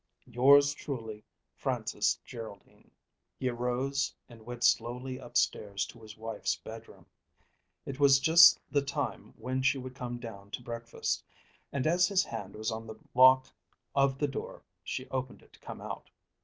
Yours truly, FRANCIS GERALDINE. He arose and went slowly up stairs to his wife's bedroom. It was just the time when she would come down to breakfast, and as his hand was on the lock of the door she opened it to come out.